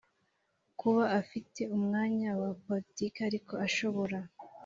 kuba afite umwanya wa politiki ariko ashobora